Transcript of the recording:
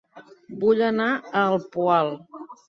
Vull anar a El Poal